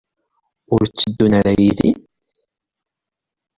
Ur tteddun ara yid-i?